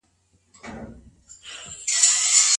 که ته نوې ویډیو جوړوې نو پخوانۍ برخي ترې وباسه.